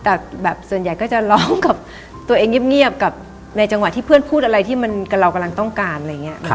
แต่แบบส่วนใหญ่ก็จะร้องกับตัวเองเงียบกับในจังหวะที่เพื่อนพูดอะไรที่เรากำลังต้องการอะไรอย่างนี้